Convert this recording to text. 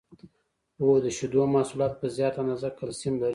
هو د شیدو محصولات په زیاته اندازه کلسیم لري